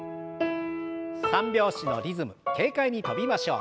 ３拍子のリズム軽快に跳びましょう。